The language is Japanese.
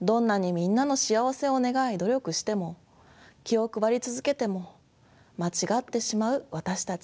どんなにみんなの幸せを願い努力しても気を配り続けても間違ってしまう私たち。